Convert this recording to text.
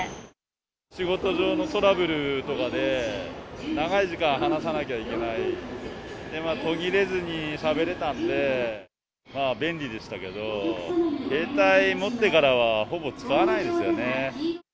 仕事上のトラブルとかで、長い時間話さなきゃいけない、途切れずにしゃべれたんで、まあ、便利でしたけど、携帯持ってからはほぼ使わないですよね。